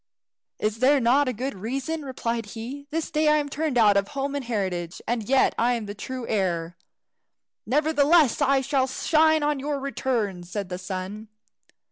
"Is there not good reason?" replied he. "This day I am turned out of home and heritage, and yet I am the true heir." "Nevertheless I shall shine on your return," said the sun.